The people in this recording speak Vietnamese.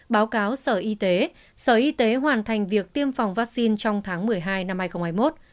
báo cáo sở y tế sở y tế hoàn thành việc tiêm phòng vaccine trong tháng một mươi hai năm hai nghìn hai mươi một